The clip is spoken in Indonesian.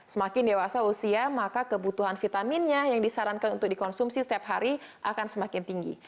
semakin dewasa usia maka kebutuhan vitaminnya yang disarankan untuk dikonsumsi setiap hari akan semakin tinggi